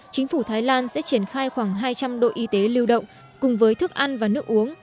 chính phủ thái lan sẽ triển khai khoảng hai trăm linh đội y tế lưu động cùng với thức ăn và nước uống